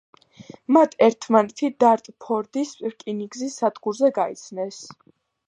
მათ ერთმანეთი დარტფორდის რკინიგზის სადგურზე გაიცნეს.